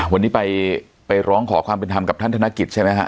วันนี้ไปร้องขอความเป็นธรรมกับท่านธนกิจใช่ไหมฮะ